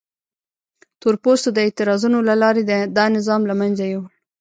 تور پوستو د اعتراضونو له لارې دا نظام له منځه یووړ.